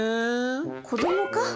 子どもか！